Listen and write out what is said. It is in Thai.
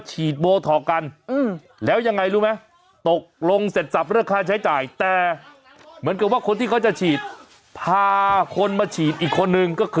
หดร้ายกันจังพลกกันมาคนละกระบอก